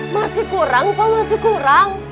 masih kurang kok masih kurang